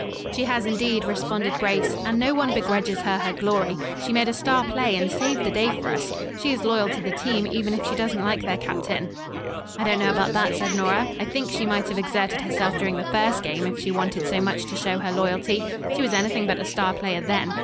"She has, indeed," responded Grace, "and no one begrudges her her glory. She made a star play and saved the day for us. She is loyal to the team even if she doesn't like their captain." "I don't know about that," said Nora, "I think she might have exerted herself during the first game if she wanted so much to show her loyalty. She was anything but a star player, then.